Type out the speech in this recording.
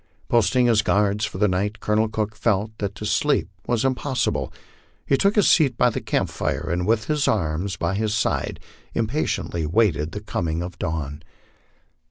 Posting his guards for the night, Colonel Cook felt that to sleep was impossible. He took his seat by the camp fire, and with his arms by his side impatiently waited the coming of dawn.